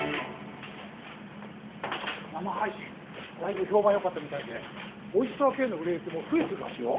生配信だいぶ評判よかったみたいでオイスターＫの売れ行きも増えてるらしいよ。